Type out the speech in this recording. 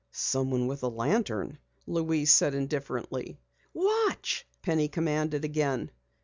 "Someone with a lantern," Louise said indifferently. "Watch!" Penny commanded again.